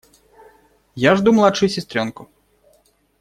Я жду младшую сестренку.